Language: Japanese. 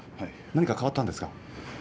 何か変わったんですか？